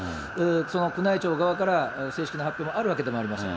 その宮内庁側から正式な発表もあるわけでもありません。